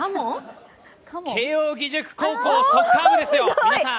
慶應義塾高校サッカー部ですよ、皆さん。